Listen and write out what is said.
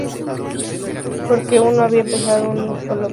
Porque uno había empezado una galopante concienciación política".